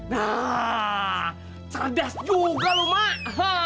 nah cerdas juga mak